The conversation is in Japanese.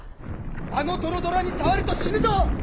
あのドロドロに触ると死ぬぞ！